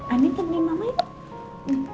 anir tenang mama ya